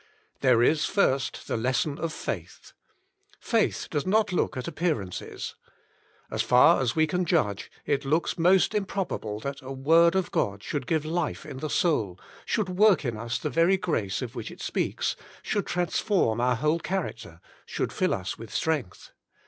There is first the Lesson op Faith. Faith does not look at appearances. As far as we can judge, it looks most improbable that a Word of God should give life in the soul, should work in us the very grace of which it speaks, should trans form our whole character, should fill us with strength.